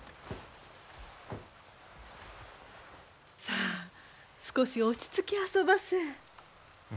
さあ少し落ち着きあそばせ。